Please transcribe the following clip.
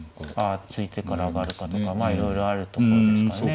ああ突いてから上がるかとかまあいろいろあるところですかね。